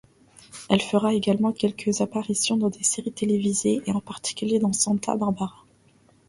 Elle fera également quelques apparitions dans des séries télévisées, en particulier dans Santa Barbara.